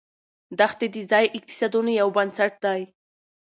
دښتې د ځایي اقتصادونو یو بنسټ دی.